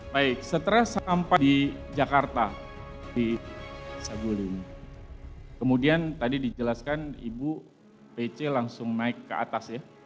baik setelah sampah di jakarta di saguling kemudian tadi dijelaskan ibu pc langsung naik ke atas ya